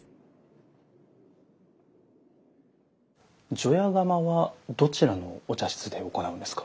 除夜釜はどちらのお茶室で行うんですか。